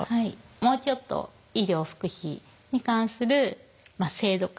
もうちょっと医療福祉に関する制度化。